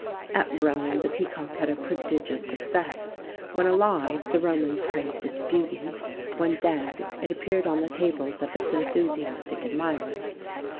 At Rome, the peacock had a prodigious success.[XVII 123] When alive, the Romans praised its beauty; when dead, it appeared on the tables of its enthusiastic admirers.